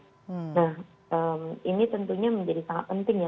nah ini tentunya menjadi sangat penting ya